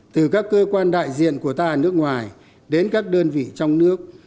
từ các cơ quan đại diện của ta ở nước ngoài đến các đơn vị trong nước